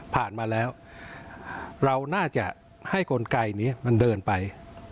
มาแล้วเราน่าจะให้กลไกนี้มันเดินไป